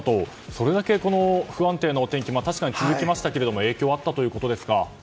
それだけこの不安定なお天気が確かに続きましたけど影響があったということですか。